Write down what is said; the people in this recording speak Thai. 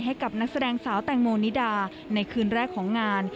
ให้กับนักแสดงสาวแตงโมนิดาในคืนแรกของงาน